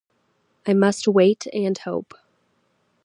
I must wait and hope.